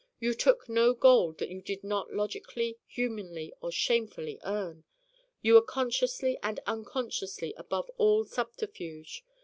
You took no gold that you did not logically, humanly or shamefully earn. You were consciously and unconsciously above all subterfuge.